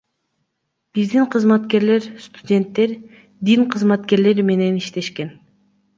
Биздин кызматкерлер студенттер, дин кызматкерлери менен иштешкен.